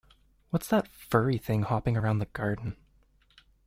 What's that furry thing hopping around the garden?